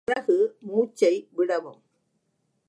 பிறகு மூச்சை விடவும்.